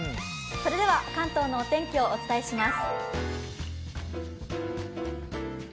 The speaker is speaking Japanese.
関東のお天気をお伝えします。